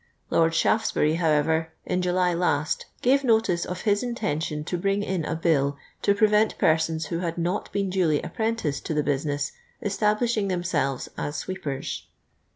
Loni Shal'tfsbury, Imwcver, in July lost, gave notice of hU intention to bring in a bill to prevent persons whu had n«it been duly a}>pren ticed to the business esublishing themselves us sweepers.